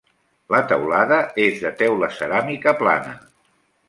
La teulada és de teula ceràmica plana.